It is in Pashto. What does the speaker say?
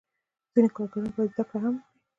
ځینې کارګران باید زده کړه هم وکړي.